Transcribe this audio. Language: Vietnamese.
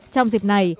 trong dịp này